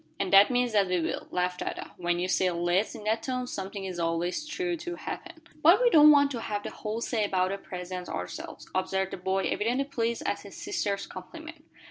"And that means that we will," laughed Ada. "When you say, 'let's' in that tone something is always sure to happen." "But we don't want to have the whole say about the presents ourselves," observed the boy, evidently pleased at his sister's compliment.